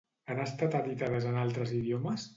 Han estat editades en altres idiomes?